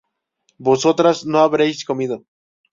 vosotras no habréis comido